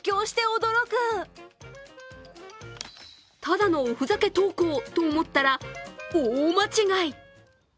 ただのおふざけ投稿と思ったら大間違い。